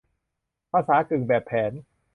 ภาษากึ่งแบบแผน